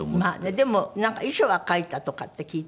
でもなんか遺書は書いたとかって聞いたけど本当？